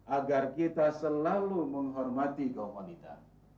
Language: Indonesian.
agar kita selalu menghormati kaum wanita